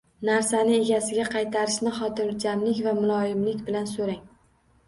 Narsani egasiga qaytarishini xotirjamlik va muloyimlik bilan so‘rang!